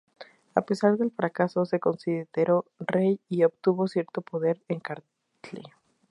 A pesar del fracaso, se consideró rey y obtuvo cierto poder en Kartli.